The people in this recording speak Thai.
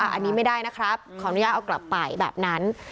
อันนี้ไม่ได้นะครับขออนุญาตเอากลับไปแบบนั้น